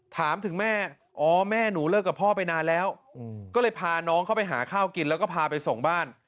ถามถึงแม่อ๋อแม่หนูเลิกกับพ่อไปนานแล้วก็เลยพาน้องเข้าไปหาข้าวกินแล้วก็พาไปส่งบ้าน